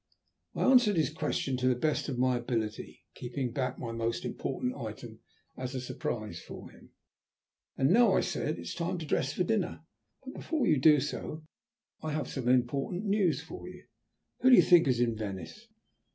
I answered his questions to the best of my ability, keeping back my most important item as a surprise for him. "And now," I said, "it is time to dress for dinner. But before you do so, I have some important news for you. Who do you think is in Venice?"